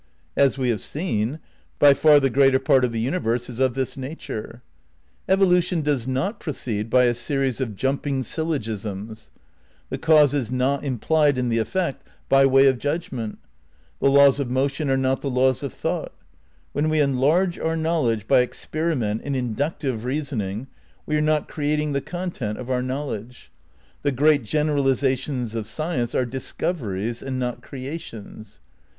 As we have seen, by far the greater part of the universe is of this nature. Evolution does not proceed by a series of jumping syllogisms. The cause is not implied in the effect by ^ Below : Chapter IX, Primary Consciousness, pp. 274 et seq. vni RECONSTRUCTION OF IDEALISM 269 way of judgment. The laws of motion are not the laws of thought. When we enlarge our knowledge by experi ment and inductive reasoning we are not creating the content of our knowledge. The great generalisations of science are discoveries and not creations.